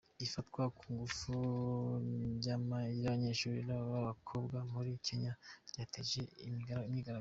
Ifatwa ku ngufu ry’ abanyeshuri b’ abakobwa muri Kenya ryateje imyigaragambyo.